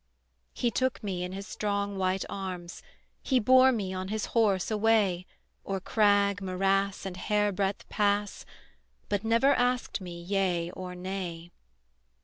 He took me in his strong white arms, He bore me on his horse away O'er crag, morass, and hair breadth pass, But never asked me yea or nay.